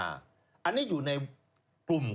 อันนี้อยู่ในกลุ่มคอมเมตร